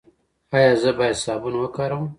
ایا زه باید صابون وکاروم؟